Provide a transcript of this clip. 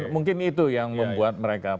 mungkin itu yang membuat mereka